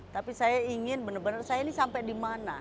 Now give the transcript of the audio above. tapi saya ingin benar benar saya ini sampai di mana